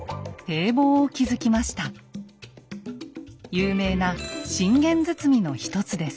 有名な「信玄堤」の一つです。